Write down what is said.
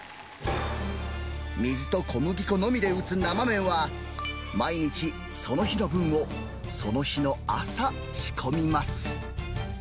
水と小麦粉のみで打つ生麺は、毎日その日の分を、その日の朝仕込みます。